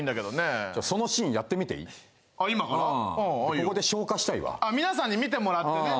ここで消化したいわ皆さんに見てもらってね